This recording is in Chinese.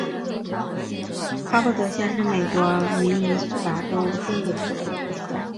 哈伯德县是美国明尼苏达州中北部的一个县。